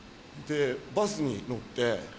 バスに乗って。